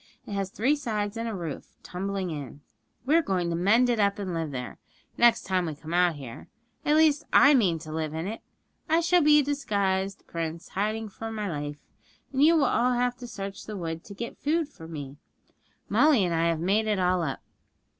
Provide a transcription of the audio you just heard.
It has three sides and a roof tumbling in. We're going to mend it up, and live there, next time we come out here. At least, I mean to live in it. I shall be a disguised prince hiding for my life, and you will all have to search the wood to get food for me. Molly and I have made it all up.